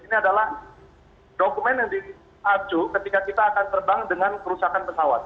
ini adalah dokumen yang diaju ketika kita akan terbang dengan kerusakan pesawat